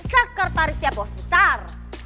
sekretarisnya bos besar